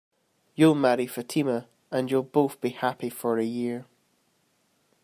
You'll marry Fatima, and you'll both be happy for a year.